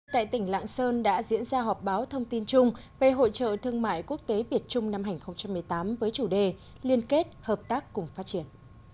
tại tỉnh lạng sơn đã diễn ra họp báo thông tin chung về hội trợ thương mại quốc tế việt trung năm hai nghìn một mươi tám với chủ đề liên kết hợp tác cùng phát triển